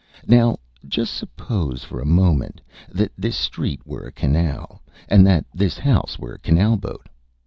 Now just suppose for a moment that this street were a canal, and that this house were a canal boat.